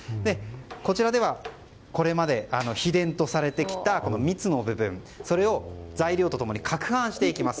こちらではこれまで秘伝とされてきた蜜の部分を材料と共にかくはんしていきます。